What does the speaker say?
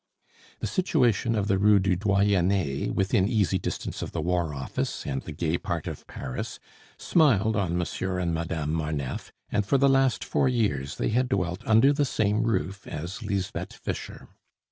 The situation of the Rue du Doyenne, within easy distance of the War Office, and the gay part of Paris, smiled on Monsieur and Madame Marneffe, and for the last four years they had dwelt under the same roof as Lisbeth Fischer.